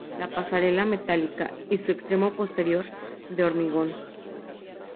La pasarela, metálica, y su extremo posterior, de hormigón.